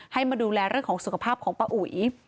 ให้มาดูแลเรื่องของสุขภาพของป้าอุ๋ย